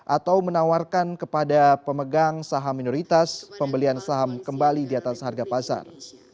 atau menawarkan kepada pemegang saham minoritas pembelian saham kembali di atas harga pasar